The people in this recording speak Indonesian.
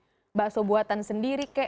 sosis ke bakso buatan sendiri ke